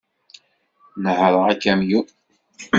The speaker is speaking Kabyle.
Nehhreɣ akamyun.